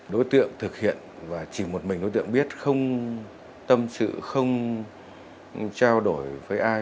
đối tượng thực hiện và chỉ một mình đối tượng biết không tâm sự không trao đổi với ai